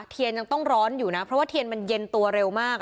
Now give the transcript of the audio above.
ยังต้องร้อนอยู่นะเพราะว่าเทียนมันเย็นตัวเร็วมาก